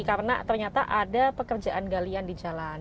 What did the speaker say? karena ternyata ada pekerjaan galian di jalan